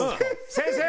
先生！